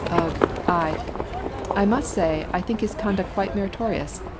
Ugh I I must say I think his conduct quite meritorious.